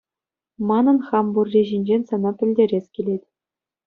Манӑн хам пурри ҫинчен сана пӗлтерес килет.